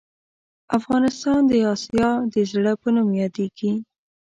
افغانستان د اسیا د زړه په نوم یادیږې